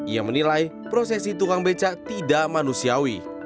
ia menilai prosesi tukang becak tidak manusiawi